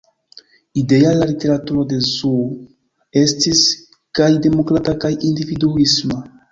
Ideala literaturo de Zhou estis kaj demokrata kaj individuisma.